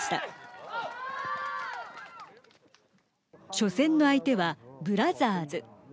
初戦の相手は、ブラザーズ。